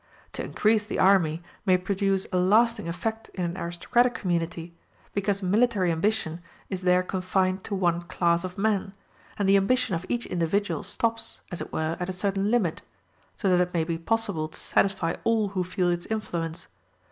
To increase the army may produce a lasting effect in an aristocratic community, because military ambition is there confined to one class of men, and the ambition of each individual stops, as it were, at a certain limit; so that it may be possible to satisfy all who feel its influence.